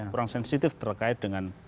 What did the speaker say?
kurang sensitif terkait dengan